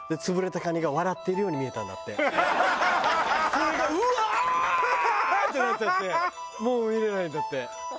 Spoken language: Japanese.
それが「うわー」ってなっちゃってもう見れないんだって。